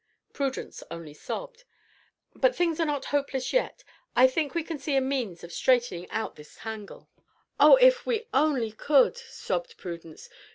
Prudence only sobbed. "But things are not hopeless yet. I think I can see a means of straightening out this tangle." "Oh, if we only could!" sobbed Prudence.